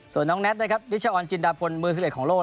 ส่วนน้องแน็ตนะครับนิชออนจินดาพลมือ๑๑ของโลก